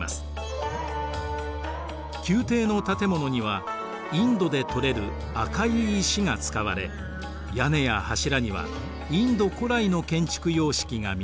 宮廷の建物にはインドで採れる赤い石が使われ屋根や柱にはインド古来の建築様式が見られます。